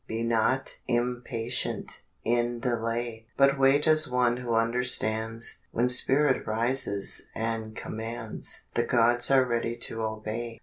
Be not impatient in delay, But wait as one who understands; When spirit rises and commands The gods are ready to obey.